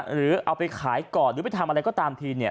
หรือเอาไปขายก่อนหรือไปทำอะไรก็ตามทีเนี่ย